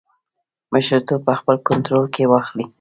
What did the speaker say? مشرتوب په خپل کنټرول کې واخلي.